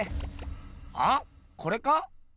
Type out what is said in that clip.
あっこれか？